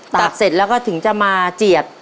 ตัดเสร็จแล้วก็ถึงจะมาเจียด